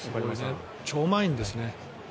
超満員ですね。